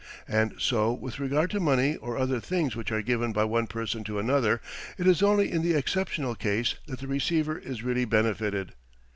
And so with regard to money or other things which are given by one person to another. It is only in the exceptional case that the receiver is really benefited.